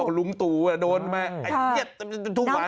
โอ้โฮลุงตูโดนไหมไอ้เย็ดทุ่มหวาน